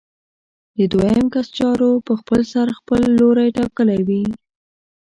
د دویم کس چارو په خپلسر خپل لوری ټاکلی وي.